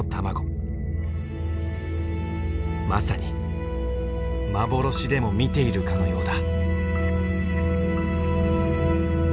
まさに幻でも見ているかのようだ。